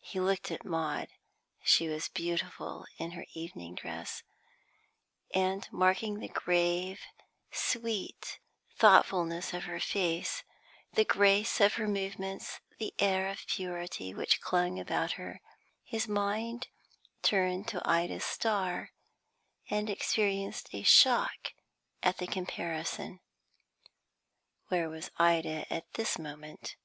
He looked at Maud. She was beautiful in her evening dress; and, marking the grave, sweet thoughtfulness of her face, the grace of her movements, the air of purity which clung about her, his mind turned to Ida Starr, and experienced a shock at the comparison. Where was Ida at this moment?